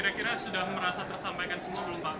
kira kira sudah merasa tersampaikan semua belum pak